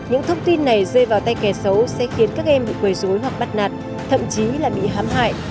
những thông tin này rơi vào tay kẻ xấu sẽ khiến các em bị quầy dối hoặc bắt nạt thậm chí là bị hám hại